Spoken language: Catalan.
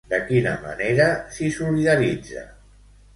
De quina manera s'hi solidaritza?